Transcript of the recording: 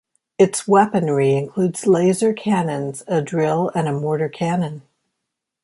Its weaponry includes laser canons, a drill, and a mortar cannon.